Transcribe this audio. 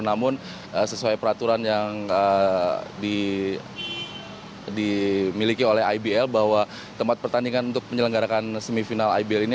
namun sesuai peraturan yang dimiliki oleh ibl bahwa tempat pertandingan untuk menyelenggarakan semifinal ibl ini